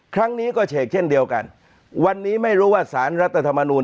ครั้งนี้ก็เฉกเช่นเดียวกันวันนี้ไม่รู้ว่าสารรัฐธรรมนูล